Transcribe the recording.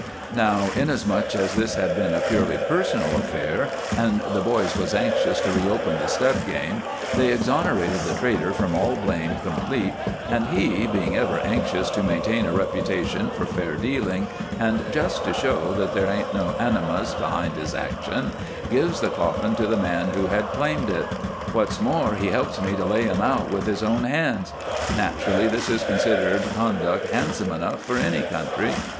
"Now, inasmuch as this had been a purely personal affair and the boys was anxious to reopen the stud game, they exonerated the trader from all blame complete, and he, being ever anxious to maintain a reputation for fair dealing and just to show that there ain't no animus behind his action, gives the coffin to the man who had claimed it. What's more, he helps to lay him out with his own hands. Naturally this is considered conduct handsome enough for any country.